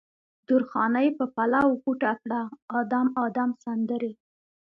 درخانۍ په پلو غوټه کړه ادم، ادم سندرې